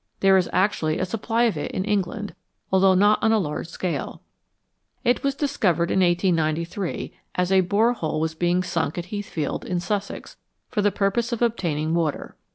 There is actually a supply of it in England, although not on a large scale. It was discovered in 1893, as a bore hole was being sunk at Heathfield, in Sussex, for the purpose of obtaining water.